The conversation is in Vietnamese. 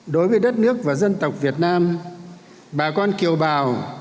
đối với đất nước và dân tộc việt nam bà con kiều bào